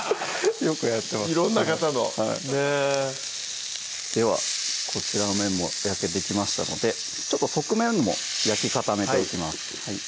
よくやってます色んな方のはいではこちらの面も焼けてきましたので側面も焼き固めておきます